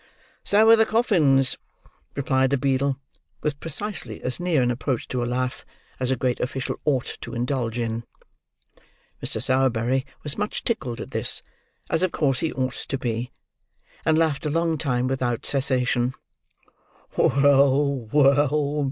"So are the coffins," replied the beadle: with precisely as near an approach to a laugh as a great official ought to indulge in. Mr. Sowerberry was much tickled at this: as of course he ought to be; and laughed a long time without cessation.